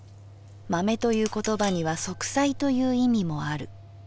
まめという言葉には息災という意味もある。